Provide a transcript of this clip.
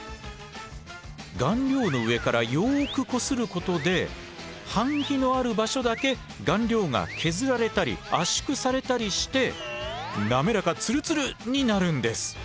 顔料の上からよくこすることで版木のある場所だけ顔料が削られたり圧縮されたりして滑らかツルツル！になるんです。